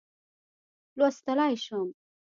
لوستلای شم.